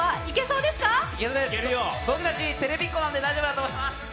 僕たち、テレビっ子なんで大丈夫だと思います。